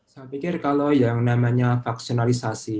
saya pikir kalau yang namanya faksionalisasi